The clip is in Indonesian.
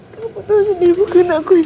kamu tau sendiri bukan aku yang ngelakuin itu roy